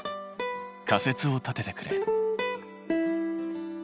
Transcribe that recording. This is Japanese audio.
仮説を立ててくれ。